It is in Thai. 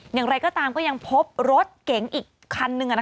อย่างไรก็ตามก็ยังพบรถเก๋งอีกคันนึง